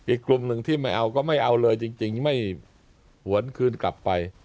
อีกกลุ่มหนึ่งที่ไม่เอาก็ไม่เอาเลยจริงไม่หวนคืนกลับไป